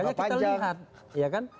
apa yang kurang dari rpjmr ya kan